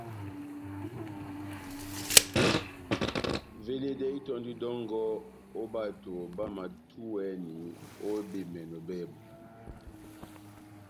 Veledɛhɛ itɔ́ndi dɔ́ngɔ ó bato bámatúwɛni ó bemɛnɔ bábu.